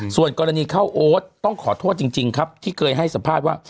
ส่วนกรณีข้าวโอ๊ตต้องขอโทษจริงครับที่เคยให้สัมภาษณ์ว่า